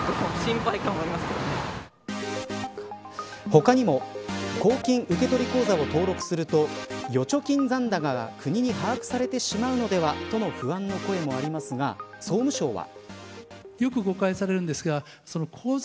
他にも公金受取口座を登録すると預貯金残高が国に把握されてしまうのではとの不安の声もありますが総務省は。